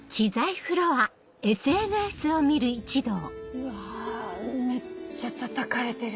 うわめっちゃたたかれてる。